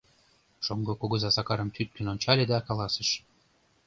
Шоҥго кугыза Сакарым тӱткын ончале да каласыш: